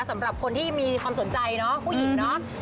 สำหรับคนที่มีความสนใจเนาะผู้หญิงเนาะ